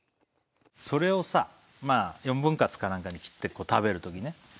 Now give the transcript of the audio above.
それをさ４分割かなんかに切って食べるときね